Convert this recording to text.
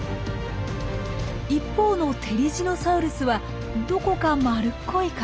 一方のテリジノサウルスはどこか丸っこい形の歯。